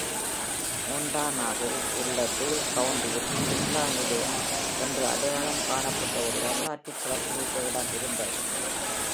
மோன்டானாவில் உள்ள டூல் கவுண்டியில் "சிம்லா நிலையம்" என்று அடையாளம் காணப்பட்ட ஒரு வரலாற்றுச் சிறப்புமிக்க இடம் இருந்தது.